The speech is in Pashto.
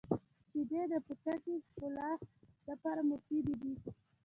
• شیدې د پوټکي ښکلا لپاره مفیدې دي.